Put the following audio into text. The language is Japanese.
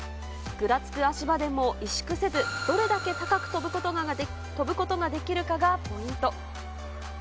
ぐらつく足場でも萎縮せず、どれだけ高く跳ぶことができるかがポイント。